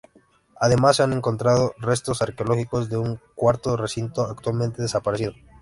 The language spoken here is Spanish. Además, se han encontrado restos arqueológicos de un cuarto recinto, actualmente desaparecido.